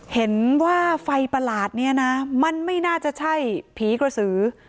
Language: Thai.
เห็นว่าไฟประหลาดนี้นะมันไม่น่าจะใช่ผีกระสือ